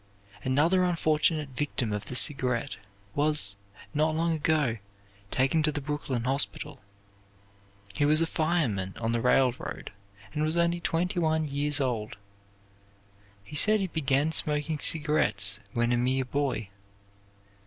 Another unfortunate victim of the cigarette was, not long ago, taken to the Brooklyn Hospital. He was a fireman on the railroad and was only twenty one years old. He said he began smoking cigarettes when a mere boy.